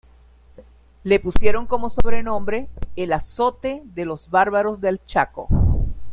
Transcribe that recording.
Le pusieron como sobrenombre ""el azote de los bárbaros del Chaco"".